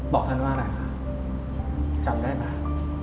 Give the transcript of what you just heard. บอกท่านว่าอะไรคะจำได้ไหม